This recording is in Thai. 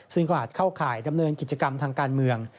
ซึ่งก็อาจเข้าข่ายดำเนินกิจกรรมทางการเมือง